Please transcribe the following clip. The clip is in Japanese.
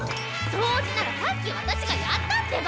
そうじならさっき私がやったってば！